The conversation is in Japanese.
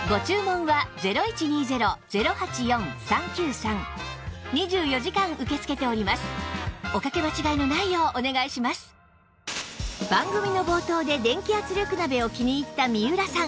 さらに番組の冒頭で電気圧力鍋を気に入った三浦さん